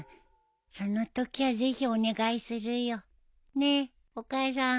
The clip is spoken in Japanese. ねえお母さん。